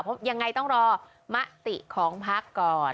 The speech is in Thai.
เพราะยังไงต้องรอมติของพักก่อน